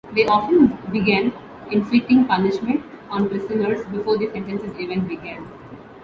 They often began inflicting punishment on prisoners before their sentences even began.